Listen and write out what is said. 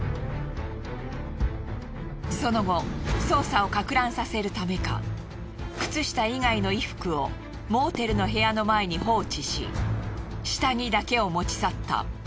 その後捜査をかく乱させるためか靴下以外の衣服をモーテルの部屋の前に放置し下着だけを持ち去った。